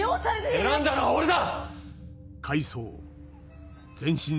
選んだのは俺だ！